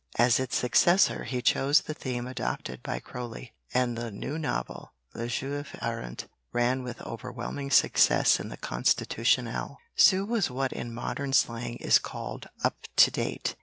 As its successor he chose the theme adopted by Croly, and the new novel Le Juif Errant ran with overwhelming success in the Constitutionnel. Sue was what in modern slang is called "up to date."